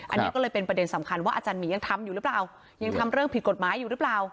อันนี้ก็เลยเป็นประเด็นสำคัญว่าอาจารย์หมียังทำอยู่หรือเปล่ายังทำเรื่องผิดกฎหมายอยู่หรือเปล่า